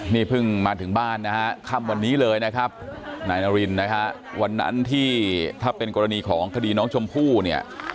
นี่เพิ่งมาถึงบ้านนะฮะค่ำวันนี้เลยนะครับนายนารินนะฮะวันนั้นที่ถ้าเป็นกรณีของคดีน้องชมพู่เนี่ย